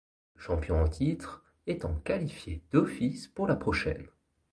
Le champion en titre étant qualifié d'office pour la prochaine.